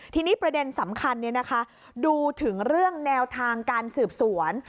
ทีนี้ประเด็นสำคัญดูถึงเรื่องแนวทางการสืบสวน